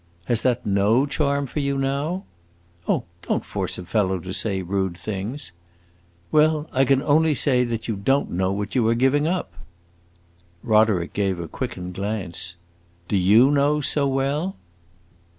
"Has that no charm for you now?" "Oh, don't force a fellow to say rude things!" "Well, I can only say that you don't know what you are giving up." Roderick gave a quickened glance. "Do you know, so well?"